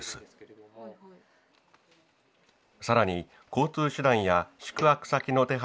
更に交通手段や宿泊先の手配など。